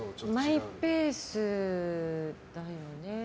マイペースだよね。